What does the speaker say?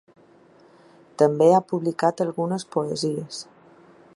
També ha publicat algunes poesies.